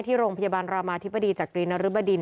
ที่โรงพยาบาลรามาธิบดีจากกรีนรึบดิน